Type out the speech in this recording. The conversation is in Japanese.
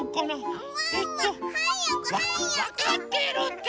わかってるって。